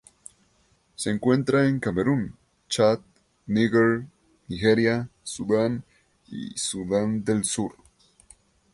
Se encuentra en Camerún, Chad, Níger, Nigeria, Sudán y Sudán del Sur.